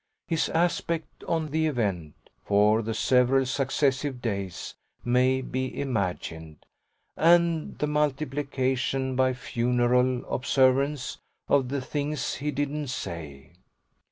His aspect on the event for the several successive days may be imagined, and the multiplication by funereal observance of the things he didn't say.